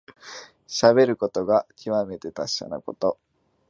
しゃべることがきわめて達者なこと。